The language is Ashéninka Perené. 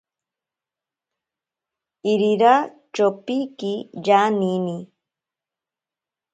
Irira chopiki yanini.